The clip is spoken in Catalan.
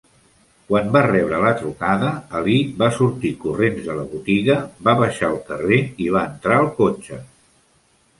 Quan va rebre la trucada, Ali va sortir corrents de la botiga, va baixar al carrer i va entrar al cotxe.